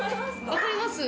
わかります！